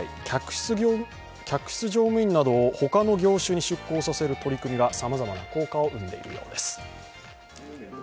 客室乗務員などを他の業種に出向させる取り組みがさまざまな効果を生んでいるようです。